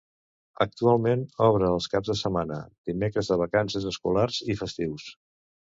Actualment, obre els caps de setmana, dimecres de vacances escolars i festius.